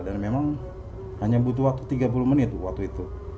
dan memang hanya butuh waktu tiga puluh menit waktu itu